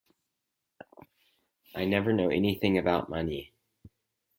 I never know anything about money.